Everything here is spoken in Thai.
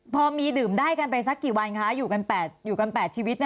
พอมีดื่มได้กันไปสักกี่วันคะอยู่กัน๘ชีวิตนั้น